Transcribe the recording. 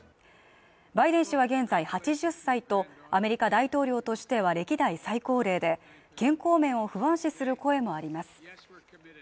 バイデン氏は現在８０歳とアメリカ大統領としては歴代最高齢で健康面を不安視する声もあります。